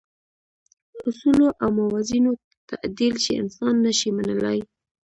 اصولو او موازینو تعدیل چې انسان نه شي منلای.